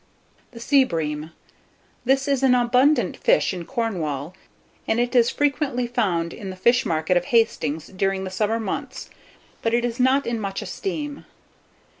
THE SEA BREAM. This is an abundant fish in Cornwall, and it is frequently found in the fish market of Hastings during the summer months, but it is not in much esteem.